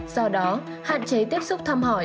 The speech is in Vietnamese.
do đó hạn chế tiếp xúc thăm hỏi